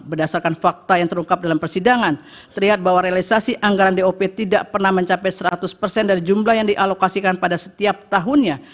berdasarkan fakta yang terungkap dalam persidangan terlihat bahwa realisasi anggaran dop tidak pernah mencapai seratus persen dari jumlah yang dialokasikan pada setiap tahunnya